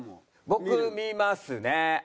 僕見ますね。